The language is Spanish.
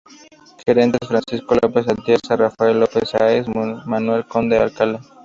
Gerentes, Francisco López Atienza, Rafael López Sáez, Manuel Conde Alcalá.